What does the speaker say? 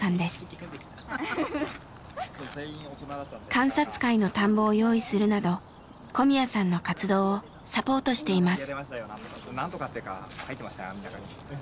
観察会の田んぼを用意するなど小宮さんの活動をサポートしています。